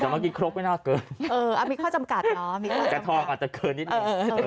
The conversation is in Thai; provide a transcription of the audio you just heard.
แต่เมื่อกี้ครบไม่น่าเกินเอออ่ะมีข้อจำกัดเนอะมีข้อจำกัดแต่ทองอาจจะเกินนิดหนึ่งเออ